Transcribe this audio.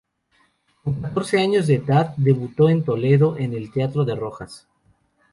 Con catorce años de edad debutó en Toledo en el Teatro de Rojas.